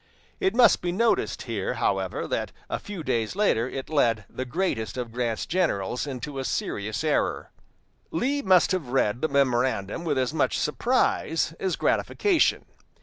It must be noticed here, however, that a few days later it led the greatest of Grant's generals into a serious error. Lee must have read the memorandum with as much surprise as gratification.